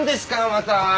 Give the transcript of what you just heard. また。